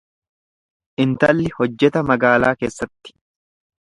Intalli hojjeta magaalaa keessatti.